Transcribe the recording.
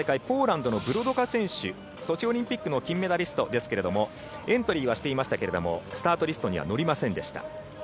ポーランドのソチオリンピックの金メダリストエントリーはしていましたがスタートリストには載りませんでした。